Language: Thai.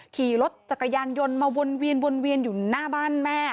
ขี่รถจักรยานยนต์มาวนเวียนวนเวียนอยู่หน้าบ้านแม่